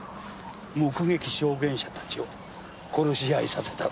目撃証言者たちを殺し合いさせたら。